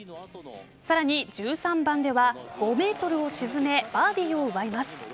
さらに、１３番では５ｍを沈めバーディーを奪います。